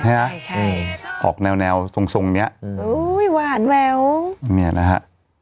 ใช่ฮะใช่ออกแนวแนวทรงทรงเนี้ยอืมอุ้ยหวานแววเนี้ยนะฮะ